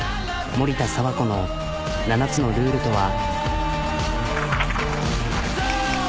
森田佐和子の７つのルールとは？